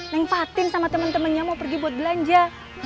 nempatin sama temen temennya mau pergi buat belanja